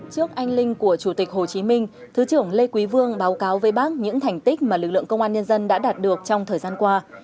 trước anh linh của chủ tịch hồ chí minh thứ trưởng lê quý vương báo cáo với bác những thành tích mà lực lượng công an nhân dân đã đạt được trong thời gian qua